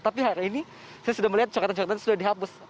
tapi hari ini saya sudah melihat coretan coretan sudah dihapus